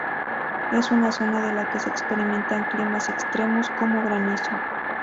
Es una zona en la que se experimentan climas extremos como granizo.